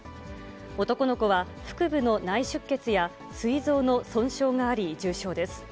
男の子は、腹部の内出血や、すい臓の損傷があり、重傷です。